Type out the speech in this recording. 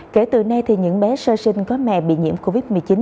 kể từ nay thì những bé sơ sinh có mẹ bị nhiễm covid một mươi chín